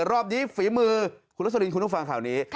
รอบนี้ฝีมือคุณลักษณีย์คุณต้องฟังข่าวนี้